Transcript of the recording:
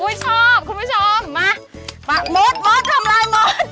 อุ๊ยชอบคุณผู้ชมมามามดมดทำอะไรมด